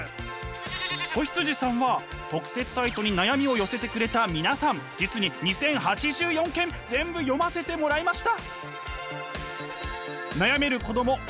子羊さんは特設サイトに悩みを寄せてくれた皆さん実に２，０８４件全部読ませてもらいました。